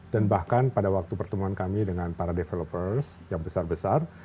dan bahkan pada waktu pertemuan kami dengan para developers yang besar besar